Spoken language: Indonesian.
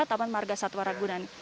taman margasatwa ragunan